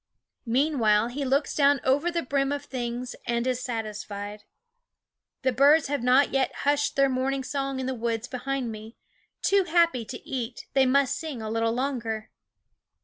Meanwhile he looks down over the brim of things and is satisfied. The birds have not yet hushed their morning song in the woods behind me ; too happy to eat, they must sing a little longer.